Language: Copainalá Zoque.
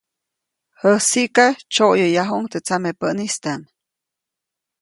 Jäsiʼka, tsyoʼyäyajuʼuŋ teʼ tsamepäʼistam.